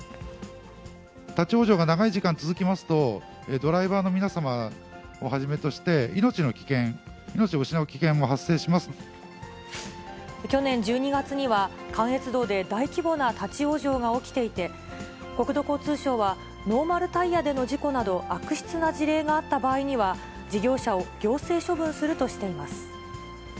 立往生が長い時間続きますと、ドライバーの皆様をはじめとして、命の危険、命を失う危険も発生し去年１２月には、関越道で大規模な立往生が起きていて、国土交通省はノーマルタイヤでの事故など、悪質な事例があった場合には、事業者を行政処分するとしています。